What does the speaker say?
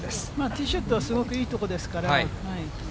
ティーショットはすごくいい所ですから。